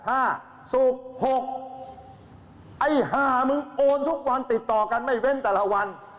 หกไอ้ห้ามึงโอนทุกวันติดต่อกันไม่เว้นแต่ละวัน